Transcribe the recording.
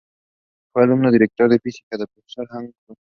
Fue alumno directo de Física del profesor Hans Kuhn.